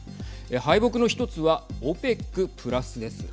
敗北の１つはＯＰＥＣプラスです。